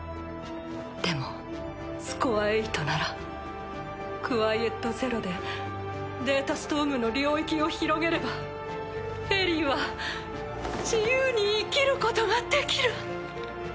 でもスコア８ならクワイエット・ゼロでデータストームの領域を広げればエリィは自由に生きることができる！